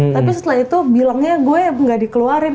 tapi setelah itu bilangnya gue gak dikeluarin